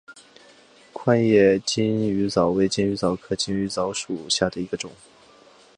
宽叶金鱼藻为金鱼藻科金鱼藻属下的一个种。